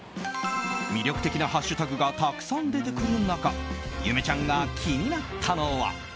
魅力的なハッシュタグがたくさん出てくる中ゆめちゃんが気になったのは。